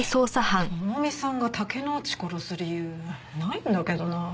朋美さんが竹之内殺す理由ないんだけどな。